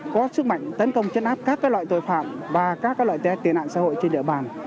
có sức mạnh tấn công chấn áp các loại tội phạm và các loại tiền nạn xã hội trên địa bàn